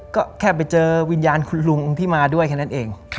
ก็แค่ไปเจอวิญญาณคุณลุงที่มาด้วยแค่นั้นเอง